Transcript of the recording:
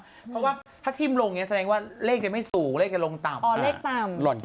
เพราะว่าถ้าทิ้งลงเนี่ยแสดงว่าเลขจะไม่สูงเลขจะลงต่ำ